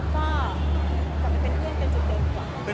ก็กลับไปเป็นเพื่อนกันจุดเดิมดีกว่า